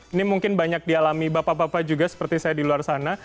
ini mungkin banyak dialami bapak bapak juga seperti saya di luar sana